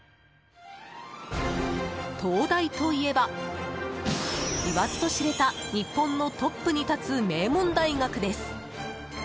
東大といえば、言わずと知れた日本のトップに立つ名門大学です。